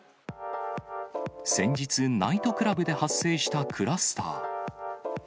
先日、ナイトクラブで発生したクラスター。